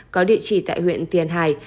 có địa chỉ tại huyện tiền hải